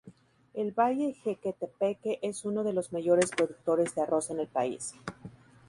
El Valle Jequetepeque es uno de los mayores productores de arroz en el país.